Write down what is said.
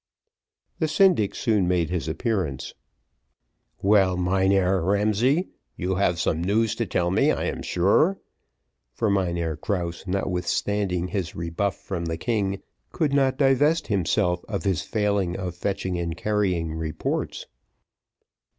The syndic soon made his appearance; "Well, Mynheer Ramsay, you have some news to tell me, I am sure;" for Mynheer Krause, notwithstanding his rebuff from the king, could not divest himself of his failing of fetching and carrying reports.